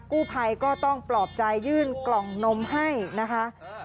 กู้ภัยก็ต้องปลอบใจยื่นกล่องนมให้นะคะ